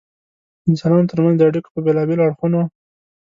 د انسانانو تر منځ د اړیکو په بېلابېلو اړخونو.